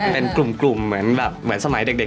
เป็นกลุ่มเหมือนสมัยเด็ก